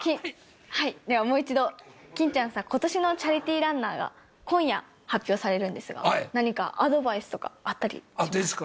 ではもう一度、欽ちゃんさあ、ことしのチャリティーランナーが今夜発表されるんですが、何かアドバイスとかあったりしますか。